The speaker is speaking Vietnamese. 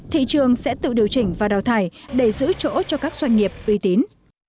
thị trường sẽ tự điều chỉnh và đào thải để giữ chỗ cho các doanh nghiệp uy tín